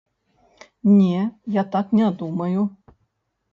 Не, я так не думаю.